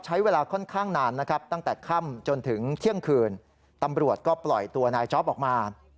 ตั้งแต่ค่ำจนถึงเที่ยงคืนตำรวจก็ปล่อยตัวนายจ๊อปออกมา